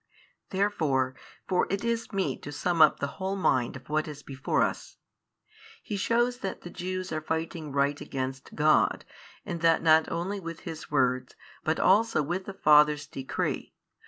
Therefore (for it is meet to sum up the whole mind of what is before us) He shews that the Jews are fighting right against God, and that not only with His words, but also with the Father's decree.